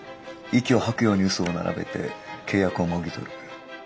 息を吐くように嘘を並べて契約をもぎ取る。